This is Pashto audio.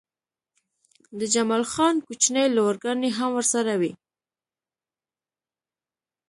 د جمال خان کوچنۍ لورګانې هم ورسره وې